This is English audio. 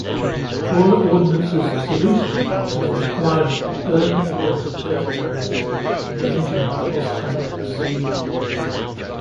Royal Ordnance's solution to the required burn-loiter-burn characteristic of the engine was complex.